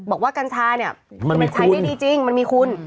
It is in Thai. กัญชาเนี่ยมันใช้ได้ดีจริงมันมีคุณ